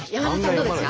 どうですか？